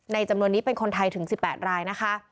จำนวนนี้เป็นคนไทยถึง๑๘รายนะคะ